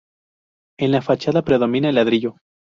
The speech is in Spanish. En la fachada predomina el ladrillo.